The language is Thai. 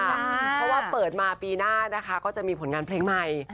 เพราะว่าเปิดมาปีหน้านะคะก็จะมีผลงานเพลงใหม่